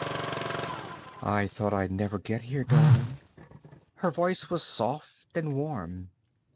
"I thought I'd never get here, darling." Her voice was soft and warm.